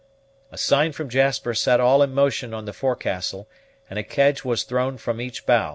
A sign from Jasper set all in motion on the forecastle, and a kedge was thrown from each bow.